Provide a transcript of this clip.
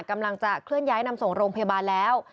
กำลังจะเคลื่อนย้ายนำส่งโรงพยาบาลแล้ว